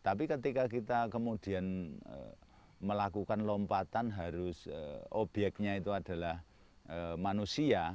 tapi ketika kita kemudian melakukan lompatan harus obyeknya itu adalah manusia